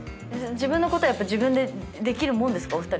自分のことは自分でできるもんですか？